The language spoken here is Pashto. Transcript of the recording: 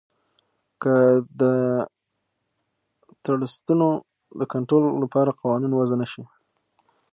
که د ټرسټونو د کنترول لپاره قانون وضعه نه شي